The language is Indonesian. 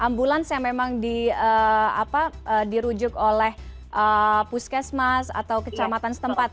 ambulans yang memang dirujuk oleh puskesmas atau kecamatan setempat